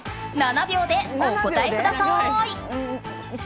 ７秒でお答えください。